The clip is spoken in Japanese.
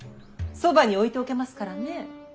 そばに置いておけますからね。